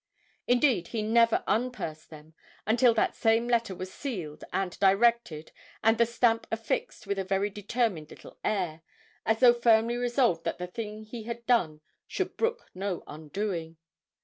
Indeed, he never unpursed them until that same letter was sealed and directed and the stamp affixed with a very determined little air, as though firmly resolved that the thing he had done should brook no undoing.